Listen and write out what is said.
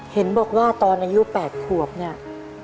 เห็นบอกว่าตอนอายุ๘ขวบเนี่ย